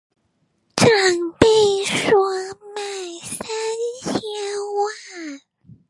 長輩說賣三千萬